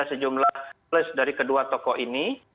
ada jumlah plus dari kedua tokoh ini